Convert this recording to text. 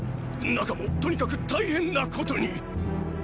中もとにかく大変なことに！